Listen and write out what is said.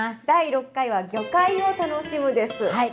第６回は「魚介を楽しむ」です。